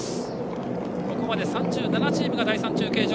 ここまで３７チームが第３中継所。